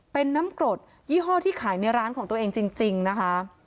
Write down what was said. เป็นน้ำกรดยี่ห้อที่ขายในร้านของตัวเองจริงนะคะ